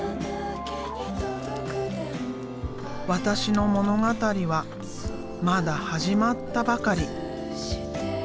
私の物語はまだ始まったばかり。